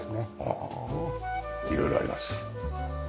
おお色々あります。